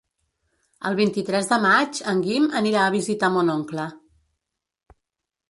El vint-i-tres de maig en Guim anirà a visitar mon oncle.